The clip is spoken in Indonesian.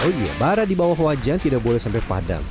oh iya bara di bawah wajan tidak boleh sampai padang